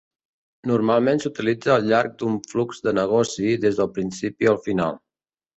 Normalment s'utilitza al llarg d'un flux de negoci, des del principi al final.